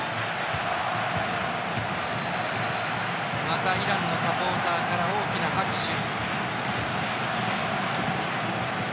またイランのサポーターから大きな拍手。